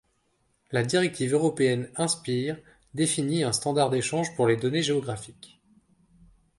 La directive européenne Inspire définit un standard d’échange pour les données géographiques.